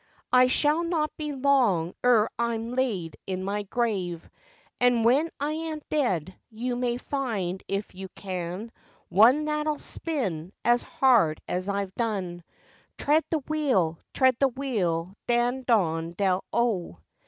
I shall not be long ere I'm laid in my grave; And when I am dead you may find if you can, One that'll spin as hard as I've done. Tread the wheel, tread the wheel, dan, don, dell O.